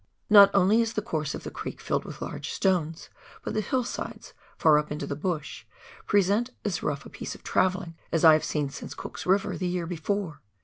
Not only is the course of the creek filled with large stones, but the hillsides, far up into the bush, present as rough a piece of travelling as I have seen since Cook's River the year before.